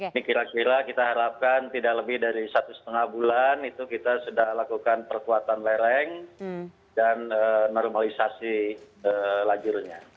ini kira kira kita harapkan tidak lebih dari satu setengah bulan itu kita sudah lakukan perkuatan lereng dan normalisasi lajurnya